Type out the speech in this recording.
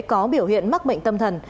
có biểu hiện mắc bệnh tâm thần